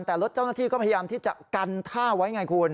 แต่รถเจ้าหน้าที่ก็พยายามที่จะกันท่าไว้ไงคุณ